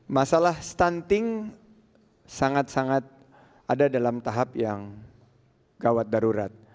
masalah stunting sangat sangat ada dalam tahap yang gawat darurat